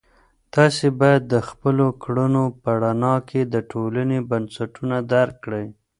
تاسې باید د خپلو کړنو په رڼا کې د ټولنې بنسټونه درک کړئ.